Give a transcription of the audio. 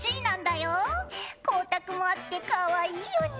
光沢もあってかわいいよね。